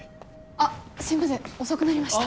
あっすいません遅くなりました。